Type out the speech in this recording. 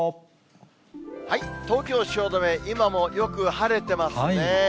東京・汐留、今もよく晴れてますよね。